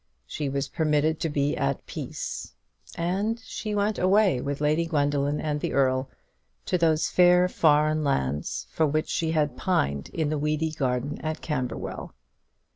She was permitted to be at peace; and she went away with Lady Gwendoline and the Earl to those fair foreign lands for which she had pined in the weedy garden at Camberwell.